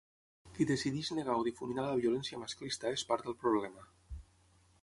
Qui decideix negar o difuminar la violència masclista és part del problema.